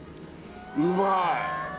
うまい